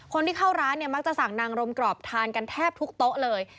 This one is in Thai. คนที่เข้าร้านเนี่ยมักจะสั่งนางรมกรอบทานกันแทบทุกโต๊ะเลย